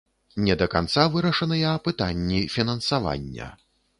Не да канца вырашаныя пытанні фінансавання.